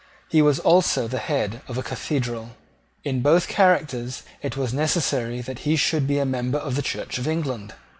He was also the head of a Cathedral. In both characters it was necessary that he should be a member of the Church of England.